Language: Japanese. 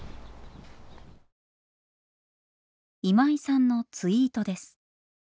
今井さんのツイートです。